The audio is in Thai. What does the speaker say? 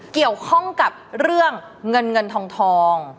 เกี่ยวข้องกับเรื่องเงินเงินทอง